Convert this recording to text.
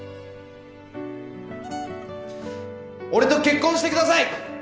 俺と結婚してください！